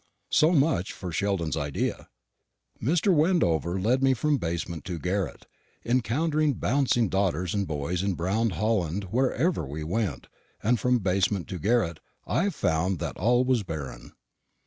So much for Sheldon's idea. Mr. Wendover led me from basement to garret, encountering bouncing daughters and boys in brown holland wherever we went; and from basement to garret I found that all was barren.